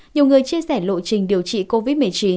nhiều người chia sẻ lộ trình điều trị covid một mươi chín